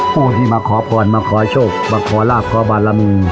ผู้ที่มาขอพรมาขอโชคมาขอลาบขอบารมี